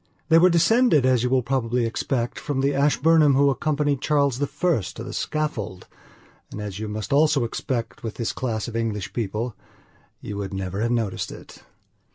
They were descended, as you will probably expect, from the Ashburnham who accompanied Charles I to the scaffold, and, as you must also expect with this class of English people, you would never have noticed it.